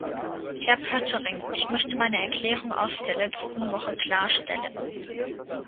Herr Poettering, ich möchte meine Erklärung aus der letzten Woche klarstellen.